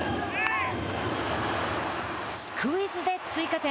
スクイズで追加点。